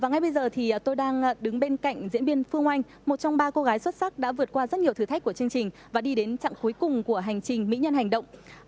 và ngay bây giờ thì tôi đang đứng bên cạnh diễn viên phương anh một trong ba cô gái xuất sắc đã vượt qua rất nhiều thử thách của chương trình và đi đến chặng cuối cùng của hành trình mỹ nhân hành động